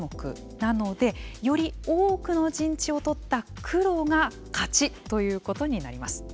なので、より多くの陣地を取った黒が勝ちということになります。